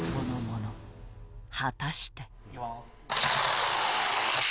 果たして？